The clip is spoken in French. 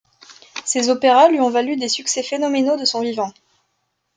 Ses opéras lui ont valu des succès phénoménaux de son vivant.